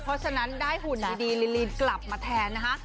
เพราะฉะนั้นได้หุ่นดีลินกลับมาแทนนะคะ